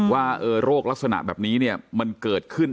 ว่าโรคลักษณะแบบนี้มันเกิดขึ้น